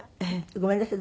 ごめんなさい。